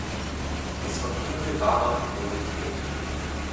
Sie ist von unmittelbarer Priorität.